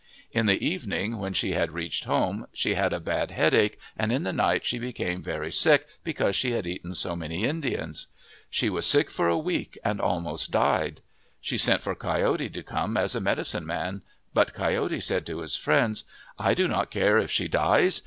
In the evening, when she had reached home, she had a bad headache and in the night she became very sick because she had eaten so many Indians. She was sick for a week and almost died. She sent for Coyote to come as a medi cine man. But Coyote said to his friends, "I do not care if she dies.